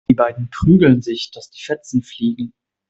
Die beiden prügeln sich, dass die Fetzen fliegen.